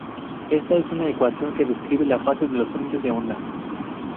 Esta es una ecuación que describe la fase de los frentes de onda.